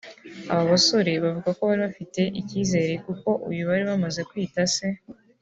Aba basore bavuga ko bari bafite icyizere kuko uyu bari bamaze kwita se